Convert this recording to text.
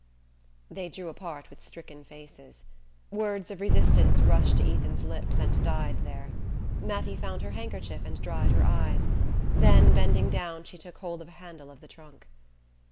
They drew apart with stricken faces. Words of resistance rushed to Ethan's lips and died there. Mattie found her handkerchief and dried her eyes; then, bending down, she took hold of a handle of the trunk.